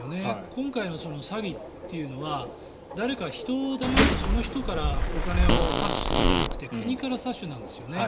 今回の詐欺というのは誰か人をだまして、その人からお金を詐取するではなくて国から詐取なんです。